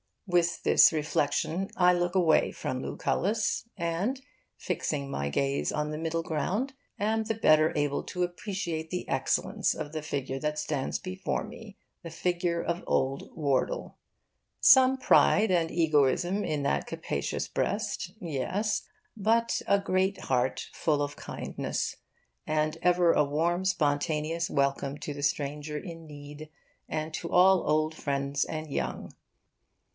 With this reflection I look away from Lucullus and, fixing my gaze on the middle ground, am the better able to appreciate the excellence of the figure that stands before me the figure of Old Wardle. Some pride and egoism in that capacious breast, yes, but a great heart full of kindness, and ever a warm spontaneous welcome to the stranger in need, and to all old friends and young.